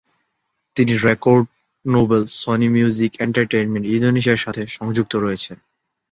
তিনি record label Sony Music Entertainment ইন্দোনেশিয়ার সাথে সংযুক্ত রয়েছেন।